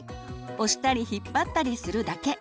押したり引っ張ったりするだけ。